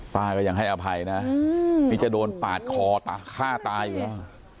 ป้าก็ยังให้อภัยนะอืมนี่จะโดนปาดคอตาฆ่าตายอยู่แล้วอ่า